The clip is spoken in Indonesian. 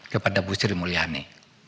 kepada bu sri mulyani